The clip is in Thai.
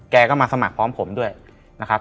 แกก็มาสมัครพร้อมผมด้วยนะครับ